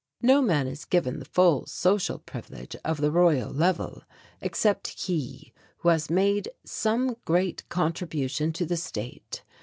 No man is given the full social privilege of the Royal Level except he who has made some great contribution to the state.